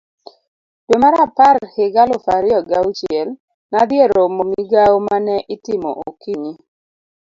Dwe mar apar higa aluf ariyo gi auchiel, nadhi eromo Migawo mane itimo okinyi.